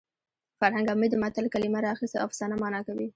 فرهنګ عمید د متل کلمه راخیستې او افسانه مانا کوي